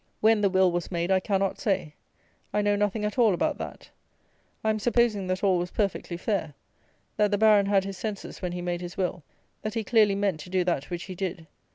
When the will was made I cannot say. I know nothing at all about that. I am supposing that all was perfectly fair; that the Baron had his senses when he made his will; that he clearly meant to do that which he did.